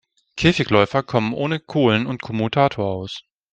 Käfigläufer kommen ohne Kohlen und Kommutator aus.